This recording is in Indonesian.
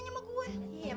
eh lu dokumenter